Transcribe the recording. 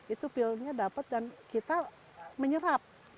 itu pilnya dapat dan kita menyerap